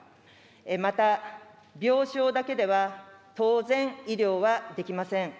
また、病床だけでは、当然、医療はできません。